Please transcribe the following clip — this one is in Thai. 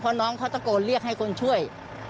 เพราะน้องเขาตะโกนเรียกให้คนช่วย